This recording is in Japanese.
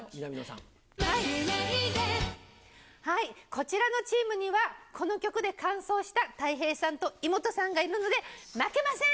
こちらのチームには、この曲で完走したたい平さんとイモトさんがいるので、負けません。